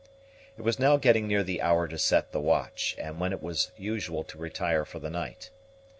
It was now getting near the hour to set the watch, and when it was usual to retire for the night.